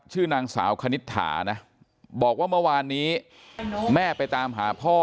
ชื่อนางสาวคณิตถานะบอกว่าเมื่อวานนี้แม่ไปตามหาพ่อ